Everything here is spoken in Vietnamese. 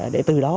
để từ đó